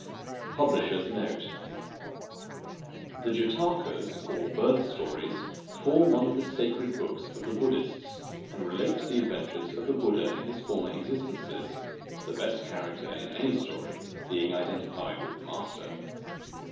90 PUBLISHER'S NOTE The Jatakas, or Birth stories, form one of the sacred books of the Buddhists and relate to the adventures of the Buddha in his former existences, the best char acter in any story being identified with the Master.